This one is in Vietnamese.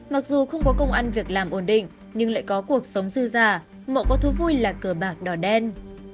mặc dù không có công ăn việc làm ổn định nhưng lại có cuộc sống dư dà mộ có thứ vui là cờ bạc đỏ đen